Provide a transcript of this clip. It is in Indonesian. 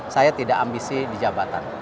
saya tidak ambisi di jabatan